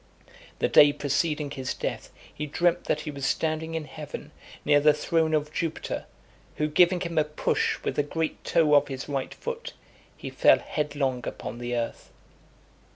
The day preceding his death he dreamt that he was standing in heaven near the throne of Jupiter, who giving him a push with the great toe of his right foot, he fell headlong upon the earth.